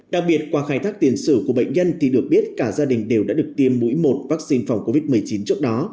đặc biệt qua khai thác tiền sử của bệnh nhân thì được biết cả gia đình đều đã được tiêm mũi một vaccine phòng covid một mươi chín trước đó